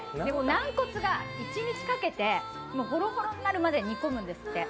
軟骨が一日かけて、ほろほろになるまで煮込むんですって。